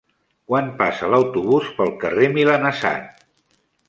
Quan passa l'autobús pel carrer Milanesat?